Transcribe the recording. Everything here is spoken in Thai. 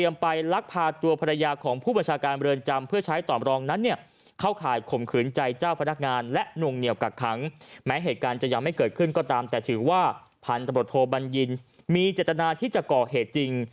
แม้เหตุการณ์จะยังไม่เกิดขึ้นก็ตามแต่ถือว่าพันธบทโทบัญญินมีเจตนาที่จะก่อเหตุจริง